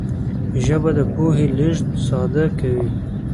ژبه د پوهې لېږد ساده کوي